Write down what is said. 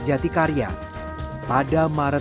jati karya pada maret dua ribu delapan belas